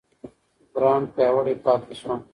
برانډ پیاوړی پاتې شو.